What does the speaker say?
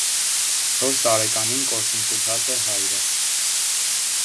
Չորս տարեկանին կորսնցուցած է հայրը։